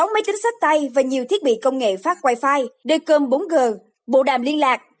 sáu máy tính sách tay và nhiều thiết bị công nghệ phát wifi đề cơm bốn g bộ đàm liên lạc